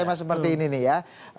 sama seperti ini nih ya